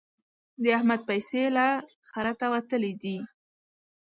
د احمد پيسې له خرته وتلې دي.